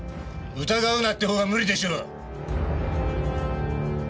疑うなってほうが無理でしょう。